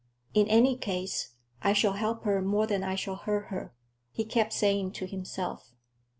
"In any case, I shall help her more than I shall hurt her," he kept saying to himself.